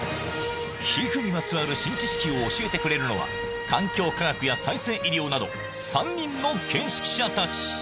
皮膚にまつわる新知識を教えてくれるのは環境化学や再生医療など３人の見識者たち